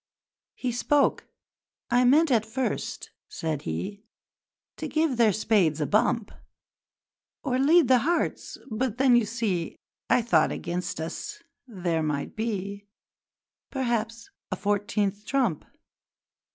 He spoke. 'I meant at first,' said he, 'To give their spades a bump: Or lead the hearts, but then you see I thought against us there might be, Perhaps, a fourteenth trump!'